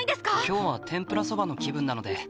今日は天ぷらそばの気分なので。